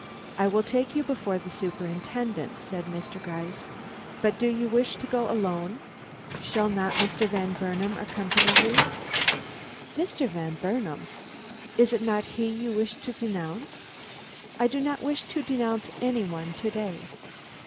"I will take you before the Superintendent," said Mr. Gryce. "But do you wish to go alone? Shall not Mr. Van Burnam accompany you?" "Mr. Van Burnam?" "Is it not he you wish to denounce?" "I do not wish to denounce any one to day."